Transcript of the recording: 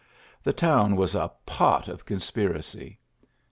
The town a pot of conspiracy.